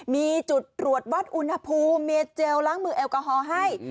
มีจุดตรวจวัดอุณหภูมิเมเจลล้างมือแอลกอฮอล์ให้